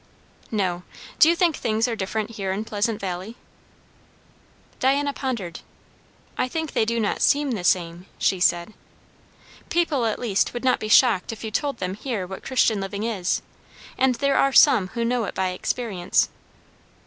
"No. Do you think things are different here in Pleasant Valley?" Diana pondered. "I think they do not seem the same," she said. "People at least would not be shocked if you told them here what Christian living is. And there are some who know it by experience."